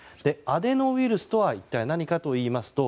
アデノウイルスとは一体何かといいますと